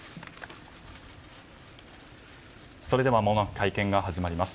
それではまもなく会見が始まります。